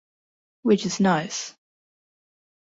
Which is nice.